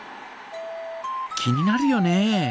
気になるよね。